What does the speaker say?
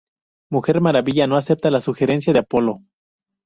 Mujer Maravilla no acepta la sugerencia de Apolo.